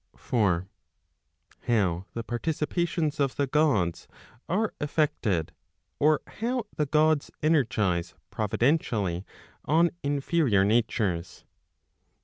4. Mow the participations of the Gods are effected, or how the Gods energize providentially on inferior natures?